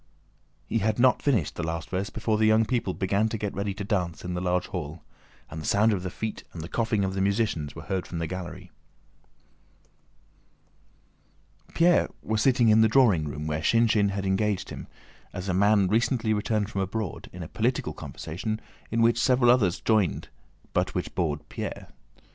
He had not finished the last verse before the young people began to get ready to dance in the large hall, and the sound of the feet and the coughing of the musicians were heard from the gallery. Pierre was sitting in the drawing room where Shinshín had engaged him, as a man recently returned from abroad, in a political conversation in which several others joined but which bored Pierre.